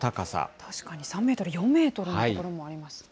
確かに、３メートル、４メートルの所もありますね。